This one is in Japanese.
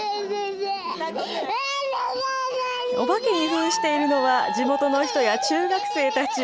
お化けにふんしているのは地元の人や中学生たち。